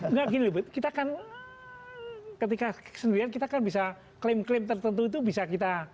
enggak gini kita kan ketika sendirian kita kan bisa klaim klaim tertentu itu bisa kita